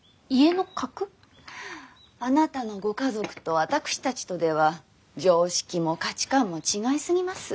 あなたのご家族と私たちとでは常識も価値観も違い過ぎます。